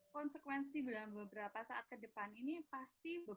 konsekuensi penularan penularan menekan angka kematian sampai pengelolaan risiko kasus impor